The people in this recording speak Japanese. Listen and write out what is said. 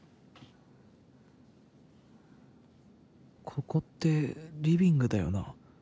ここってリビングだよな